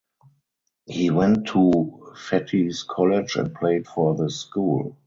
He went to Fettes College and played for the school.